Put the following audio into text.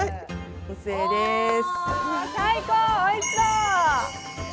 お、最高、おいしそう！